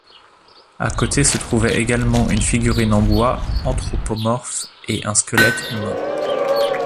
À côté se trouvait également une figurine en bois anthropomorphe et un squelette humain.